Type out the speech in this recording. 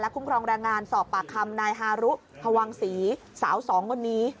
คุ้มครองแรงงานสอบปากคำนายฮารุพวังศรีสาวสองคนนี้